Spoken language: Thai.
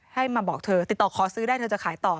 ให้มาบอกเธอติดต่อขอซื้อได้เธอจะขายต่อ